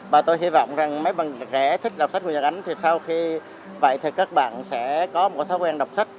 và tôi hy vọng rằng mấy bạn rẻ thích đọc sách của nhật ánh thì sau khi vậy thì các bạn sẽ có một thói quen đọc sách